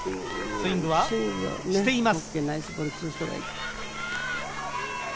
スイングは、しています。